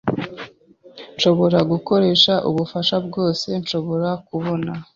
Nshobora gukoresha ubufasha bwose nshobora kubona.